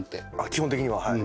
基本的にははい。